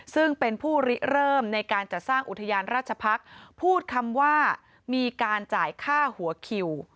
ซึ่งเป็นผู้ริเริ่มในการจัดสร้างอุทยานราชพักษ์พูดคำว่ามีการจ่ายค่าหัวคิว